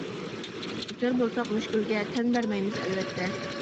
دۇچار بولساق مۈشكۈلگە، تەن بەرمەيمىز ئەلۋەتتە.